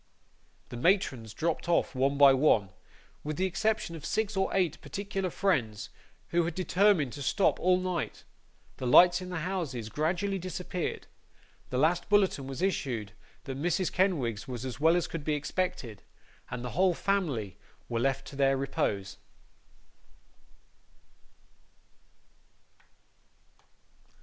The matrons dropped off one by one, with the exception of six or eight particular friends, who had determined to stop all night; the lights in the houses gradually disappeared; the last bulletin was issued that Mrs. Kenwigs was as well as could be expected; and the whole family were left to their repose.